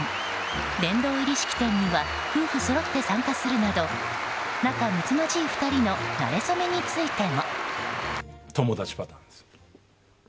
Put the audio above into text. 殿堂入り式典には夫婦そろって参加するなど仲むつまじい２人の馴れ初めについても。